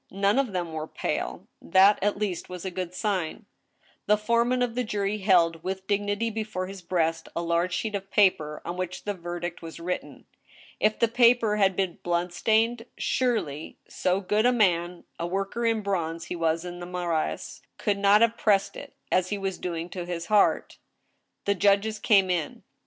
None of them were pale. That, at least, was a good sign. The foreman of the jury held vsrith dignity before his breast a large sheet of paper, on which the verdict was written. If the paper had been bloodstained, surely so good a man (a worker in bronze he was in the Marais) could not have pressed it, as he was doing, to his heart. ' The judges came in.